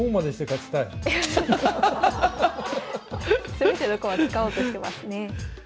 全ての駒使おうとしてますね。